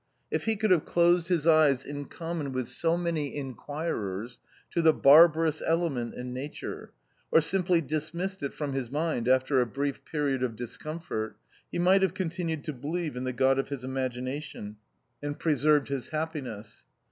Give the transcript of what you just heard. If he could have closed his eyes in common with so many inquirers to the barbarous element in nature, or simply dismissed it from his mind after a brief period of discomfort, he might have continued to believe in the God THE OUTCAST. 7 of his imagination, and preserved his happi ness.